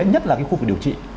nhất là cái khu vực điều trị